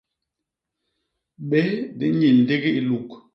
Bés di nnyil ndigi i luk.